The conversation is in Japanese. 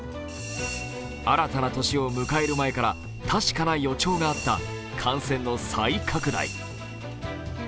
新たな年を迎える前から確かな予兆があった感染の再拡大。